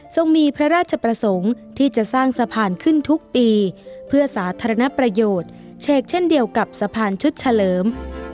มีพระราชประสงค์ที่จะสร้างสะพานขึ้นทุกปีเพื่อสาธารณประโยชน์เฉกเช่นเดียวกับสะพานชุดเฉลิม